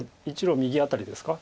１路右辺りですか。